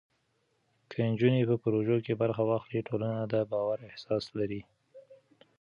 که نجونې په پروژو کې برخه واخلي، ټولنه د باور احساس لري.